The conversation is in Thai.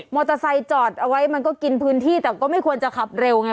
เตอร์ไซค์จอดเอาไว้มันก็กินพื้นที่แต่ก็ไม่ควรจะขับเร็วไง